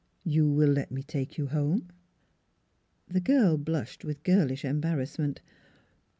... You will let me take you home ?" The girl blushed with girlish embarrassment.